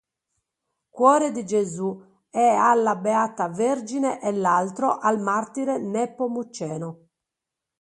Cuore di Gesù e alla Beata Vergine e l’altro al martire Nepomuceno.